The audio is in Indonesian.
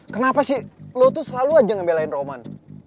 kenapa sih lo tuh selalu aja ngebelain roman